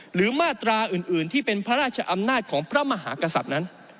หรือมาตราอื่นที่เป็นพระราชอำนาจของพระมหากษัตริย์นั้น